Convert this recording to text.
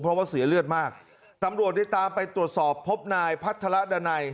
เพราะว่าเสียเลือดมากตำรวจได้ตามไปตรวจสอบพบนายพัฒระดันัย